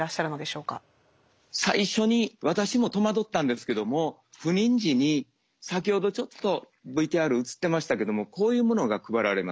最初に私も戸惑ったんですけども赴任時に先ほどちょっとＶＴＲ映ってましたけどもこういうものが配られます。